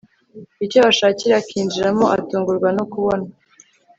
icyo bashakira akinjiramo atungurwa nokubona…